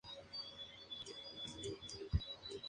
El terreno está dominado por pequeñas presas.